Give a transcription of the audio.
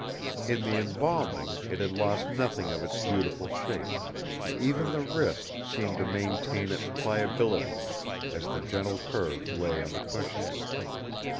In the embalming it had lost nothing of its beautiful shape; even the wrist seemed to maintain its pliability as the gentle curve lay on the cushion.